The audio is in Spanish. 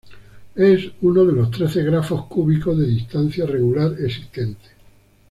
Es uno de los trece grafos cúbicos de distancia-regular existentes.